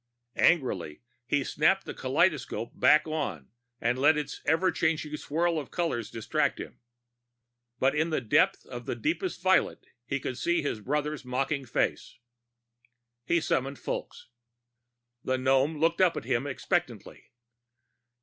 Angrily he snapped the kaleidoscope back on and let its everchanging swirl of color distract him. But in the depth of the deepest violet he kept seeing his brother's mocking face. He summoned Fulks. The gnome looked up at him expectantly.